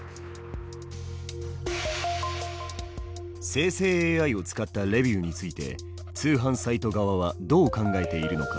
生成ＡＩを使ったレビューについて通販サイト側はどう考えているのか。